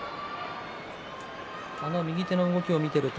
あの右手の動きを見ていると